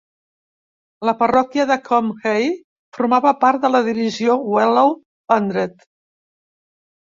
La parròquia de Combe Hay formava part de la divisió Wellow Hundred.